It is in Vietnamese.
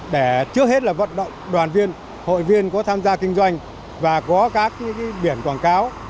để trước hết là vận động đoàn viên hội viên có tham gia kinh doanh và có các biển quảng cáo